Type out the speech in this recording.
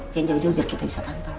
jangan jauh jauh biar kita bisa pantau